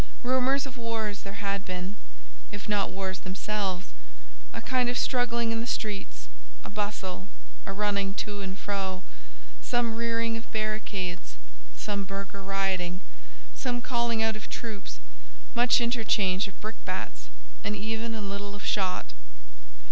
Rumours of wars there had been, if not wars themselves; a kind of struggling in the streets—a bustle—a running to and fro, some rearing of barricades, some burgher rioting, some calling out of troops, much interchange of brickbats, and even a little of shot.